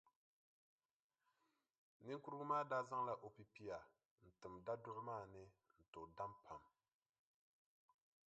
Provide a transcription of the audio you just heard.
Niŋkurugu maa daa zaŋla o pipia n-tim daduɣu maa ni n- tooi daam pam.